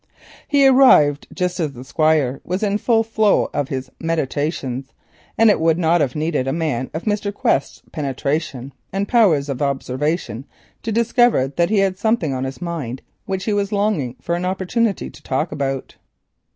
He arrived just as the Squire was in the full flow of his meditations, and it would not have needed a man of Mr. Quest's penetration and powers of observation to discover that he had something on his mind which he was longing for an opportunity to talk about.